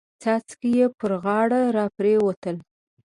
څاڅکي يې پر غاړه را پريوتل.